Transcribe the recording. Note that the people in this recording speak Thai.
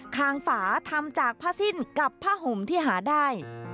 คางฝาทำจากผ้าสิ้นกับผ้าห่มที่หาได้